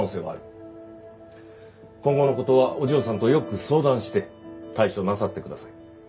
今後の事はお嬢さんとよく相談して対処なさってください。